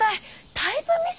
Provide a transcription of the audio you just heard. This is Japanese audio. タイプミス？